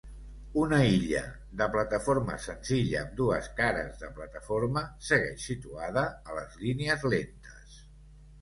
Una illa de plataforma senzilla amb dues cares de plataforma segueix situada a les línies lentes.